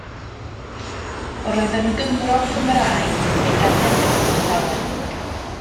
Roedd yn Gymro Cymraeg ac fe'i ganed yn Abertawe.